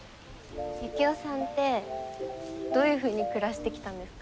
ユキオさんってどういうふうに暮らしてきたんですか？